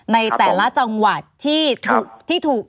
ในแต่ละจังหวัดที่ถูกที่ถูก